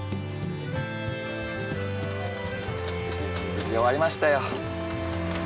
無事に終わりましたよ。